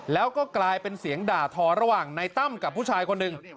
แล้วก็กลายเป็นเสียงด่าทอระหว่างในตั้มกับผู้ชายคนหนึ่ง